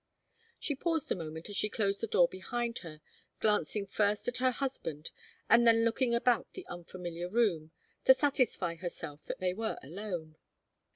She paused a moment as she closed the door behind her, glancing first at her husband, and then looking about the unfamiliar room, to satisfy herself that they were alone.